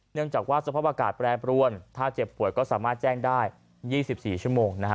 เนื่องจากว่าสภาพอากาศแปรปรวนถ้าเจ็บป่วยก็สามารถแจ้งได้๒๔ชั่วโมงนะฮะ